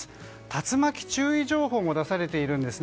竜巻注意情報も出されているんです。